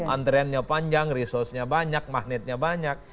antrennya panjang resursenya banyak magnetnya banyak